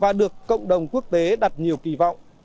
và được cộng đồng quốc tế đặt nhiều kỳ vọng